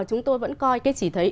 chúng tôi vẫn coi cái chỉ thị